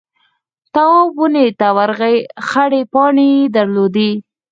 تواب ونې ته ورغئ خړې پاڼې يې درلودې.